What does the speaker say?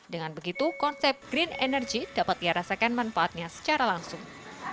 dengan begitu konsep green energy dapat dirasakan manfaatnya secara langsung